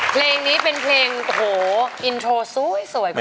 เพลงนี้เป็นเพลงโอ้โหอินโทรสวยสวยคุณป๊า